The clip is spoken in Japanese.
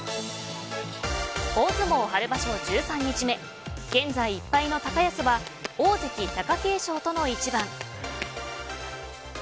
大相撲春場所１３日目現在１敗の高安は大関、貴景勝との一番。